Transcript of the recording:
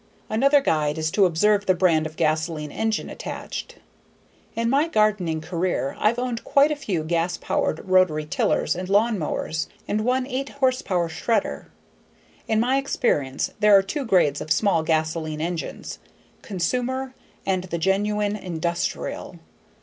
Another guide is to observe the brand of gasoline engine attached. In my gardening career I've owned quite a few gas powered rotary tillers and lawnmowers and one eight horsepower shredder. In my experience there are two grades of small gasoline engines "consumer" and the genuine "industrial."